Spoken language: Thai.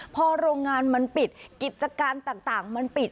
พอโรงงานมันปิดกิจการต่างมันปิด